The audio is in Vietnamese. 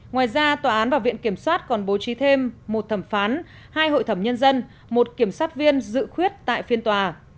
ngoài ra tòa án và viện kiểm soát còn bố trí thêm một thẩm phán hai hội thẩm nhân dân một kiểm sát viên dự khuyết tại phiên tòa